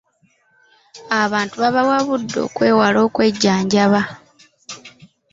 Abantu babawabudde okwewale okwejjanjaba.